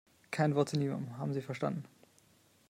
Kein Wort zu niemandem, haben Sie verstanden?